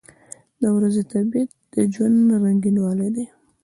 • د ورځې طبیعت د ژوند رنګینوالی دی.